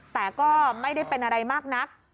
แต่ก็ไม่ได้เป็นอะไรมากนัก